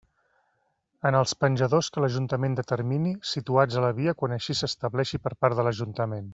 En els penjadors que l'ajuntament determini, situats a la via quan així s'estableixi per part de l'Ajuntament.